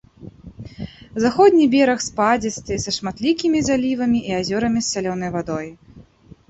Заходні бераг спадзісты, са шматлікімі залівамі і азёрамі з салёнай вадой.